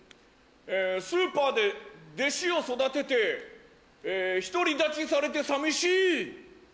スーパーで弟子を育てて独り立ちされて寂しい！